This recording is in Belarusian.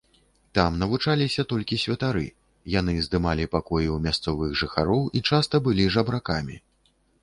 Там навучаліся толькі святары, яны здымалі пакоі ў мясцовых жыхароў і часта былі жабракамі.